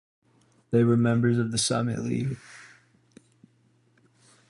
They were members of The Summit League.